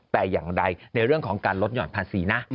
แต่อย่างใดในเรื่องของการลดห่อนภาษีนะ